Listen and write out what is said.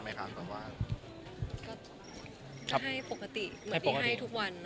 ใช้ปกติเหมือนให้เราให้ทุกวัน